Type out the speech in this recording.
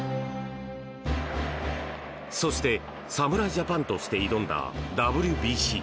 そして侍ジャパンとして挑んだＷＢＣ。